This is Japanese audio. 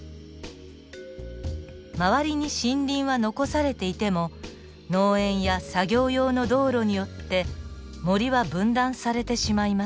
周りに森林は残されていても農園や作業用の道路によって森は分断されてしまいます。